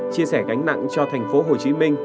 chia sẻ gánh nặng cho thành phố hồ chí minh